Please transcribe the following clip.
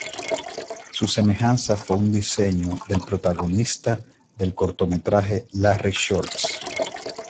Su semejanza fue un rediseño del protagonista del cortometraje "Larry Shorts".